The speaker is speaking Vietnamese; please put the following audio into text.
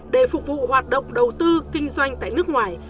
để phục vụ hoạt động đầu tư kinh doanh tại nước ngoài